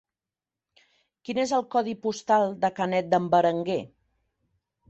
Quin és el codi postal de Canet d'en Berenguer?